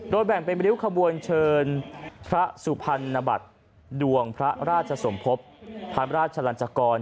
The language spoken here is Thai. แบ่งเป็นริ้วขบวนเชิญพระสุพรรณบัตรดวงพระราชสมภพพระราชลันจกร